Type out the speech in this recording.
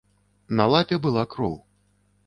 На лапе была кроў.